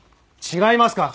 違いますか？